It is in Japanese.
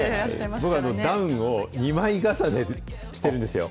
僕はダウンを２枚重ねで着てるんですよ。